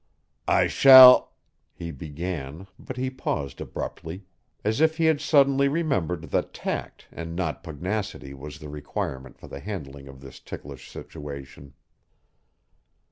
"I shall " he began, but he paused abruptly, as if he had suddenly remembered that tact and not pugnacity was the requirement for the handling of this ticklish situation.